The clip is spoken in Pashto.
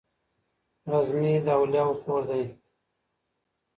غزني د اولياوو کور دی.